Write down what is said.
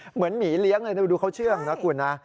หมีเลี้ยงเลยดูเขาเชื่องนะคุณนะ